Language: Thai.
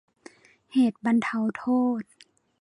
เหตุบรรเทาโทษ